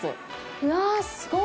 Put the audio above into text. うわぁ、すごい。